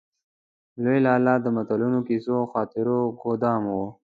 لوی لالا د متلونو، کيسو او خاطرو ګودام و.